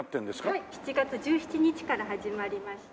はい７月１７日から始まりました。